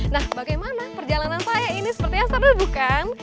nah bagaimana perjalanan saya ini sepertinya sebenarnya bukan